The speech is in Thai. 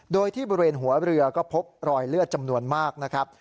โดยที่บริเวณหัวเรือก็พบรอยเลือดจำนวนมากนะครับ